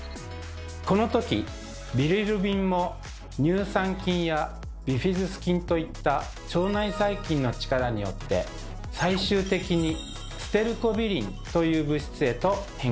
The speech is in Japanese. このときビリルビンも乳酸菌やビフィズス菌といった腸内細菌の力によって最終的にステルコビリンという物質へと変化します。